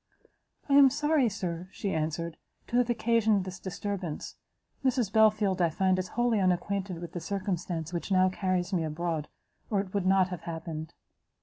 "I am sorry, Sir," she answered, "to have occasioned this disturbance; Mrs Belfield, I find, is wholly unacquainted with the circumstance which now carries me abroad, or it would not have happened."